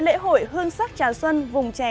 lễ hội hương sắc trà xuân vùng trè